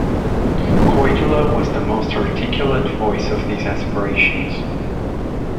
Koidula was the most articulate voice of these aspirations.